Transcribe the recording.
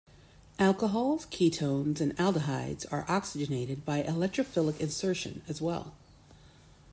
Alcohols, ketones, and aldehydes are oxygenated by electrophilic insertion as well.